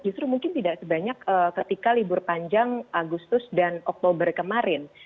justru mungkin tidak sebanyak ketika libur panjang agustus dan oktober kemarin